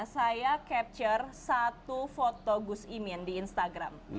saya capture satu foto gus imin di instagram